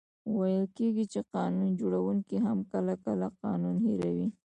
ویل کېږي چي قانون جوړونکې هم کله، کله قانون هېروي.